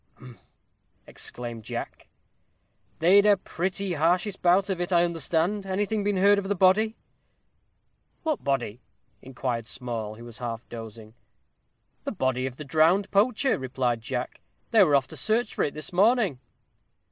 "Humph!" exclaimed Jack; "they'd a pretty hardish bout of it, I understand. Anything been heard of the body?" "What body?" inquired Small, who was half dozing. "The body of the drowned poacher," replied Jack; "they were off to search for it this morning."